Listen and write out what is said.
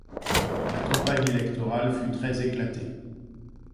La campagne électorale fut très éclatée.